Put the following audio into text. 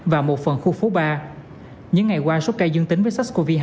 và một phần khu phố ba những ngày qua số ca dương tính với sars cov hai